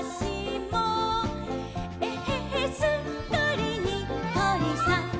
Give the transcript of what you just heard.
「えへへすっかりにっこりさん！」